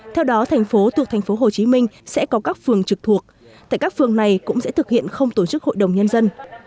theo đó thành phố thuộc tp hcm sẽ có các phường trực thuộc tại các phường này cũng sẽ thực hiện không tổ chức hội đồng nhân dân